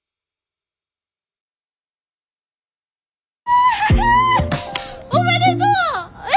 えっおめでとう！